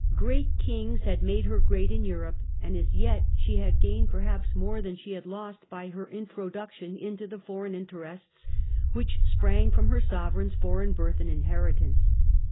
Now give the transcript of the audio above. Great kings had made her great in Europe, xhe strength and as yet she had gained perhaps more than ^[ Enei*nd. she had lost by her introduction into the foreign interests which sprang from her sovereigns' foreign birth and in heritance.